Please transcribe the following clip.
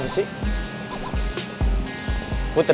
bersosok toh gini deh